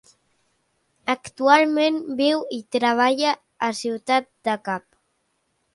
Actualment viu i treballa a Ciutat del Cap.